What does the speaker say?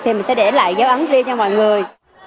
thì mình sẽ để lại dấu ấn riêng cho mọi người